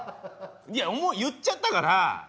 いやもう言っちゃったから。